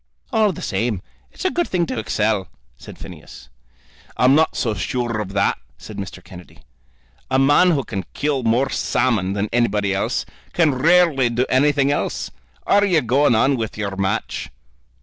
"All the same, it's a good thing to excel," said Phineas. "I'm not so sure of that," said Mr. Kennedy. "A man who can kill more salmon than anybody else, can rarely do anything else. Are you going on with your match?"